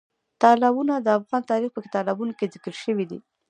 تالابونه د افغان تاریخ په کتابونو کې ذکر شوي دي.